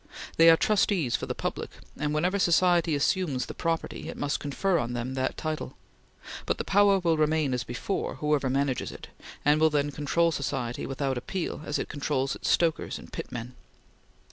They are trustees for the public, and whenever society assumes the property, it must confer on them that title; but the power will remain as before, whoever manages it, and will then control society without appeal, as it controls its stokers and pit men.